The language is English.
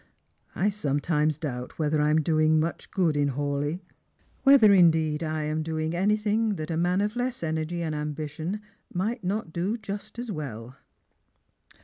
I sometimeL doubt whether I am doing much good in Hawleigh — whether, indeed, I am doing anything that a man of less energy and ambition might not do just as well."